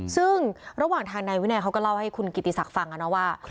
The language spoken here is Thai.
ซึ่งระหว่างทางนายวินัยเขาก็เล่าให้คุณกิติศักดิ์ฟังนะว่า